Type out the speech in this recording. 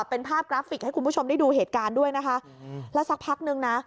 เป็นภาพกราฟิกให้คุณผู้ชมได้ดูเหตุการณ์ด้วยนะคะแล้วสักพักนึงนะ